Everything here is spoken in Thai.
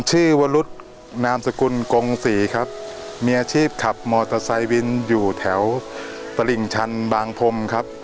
วรุษนามสกุลกงศรีครับมีอาชีพขับมอเตอร์ไซค์วินอยู่แถวตลิ่งชันบางพรมครับ